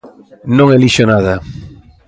Non elixo nada!